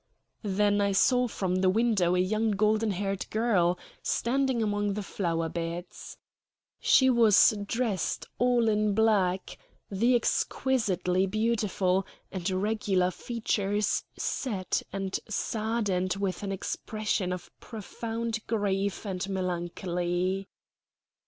Then I saw from the window a young golden haired girl, standing among the flower beds. She was dressed all in black, the exquisitely beautiful and regular features set and saddened with an expression of profound grief and melancholy.